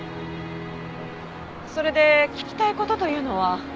それで聞きたい事というのは？